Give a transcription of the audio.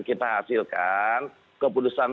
kita hasilkan keputusan